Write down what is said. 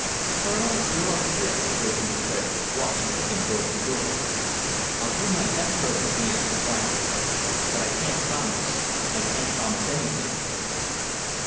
"Colonel, you're a brick," Wrayson declared, walking with him towards the door. "I'll do my best, Herbert," he answered quietly, "but I can't promise. I can't promise anything."